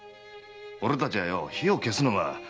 俺たちは火を消すのが。